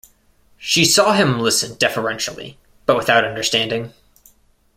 She saw him listen deferentially, but without understanding.